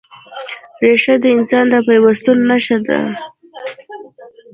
ریښه د انسان د پیوستون نښه ده.